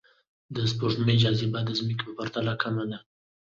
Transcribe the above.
د سپوږمۍ جاذبه د ځمکې په پرتله کمه ده